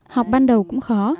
học ban đầu cũng khó